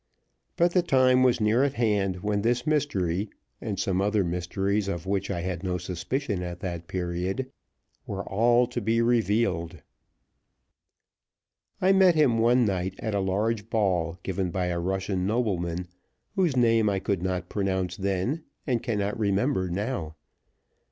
But the time was near at hand when this mystery, and some other mysteries of which I had no suspicion at that period, were all to be revealed. I met him one night at a large ball, given by a Russian nobleman, whose name I could not pronounce then, and cannot remember now.